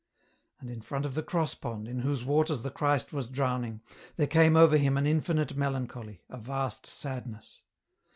And in front of the cross pond, in whose waters the Christ was drowning, there came over him an infinite melancholy, a vast sadness.